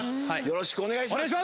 よろしくお願いします